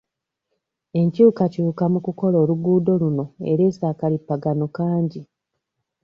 Enkyukakyuka mu kukola oluguudo luno ereese akalipagano kangi.